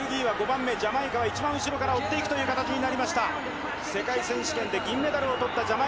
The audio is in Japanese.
ジャマイカは一番後ろから追っていくという形になりました。